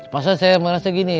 pada saat itu saya merasa gini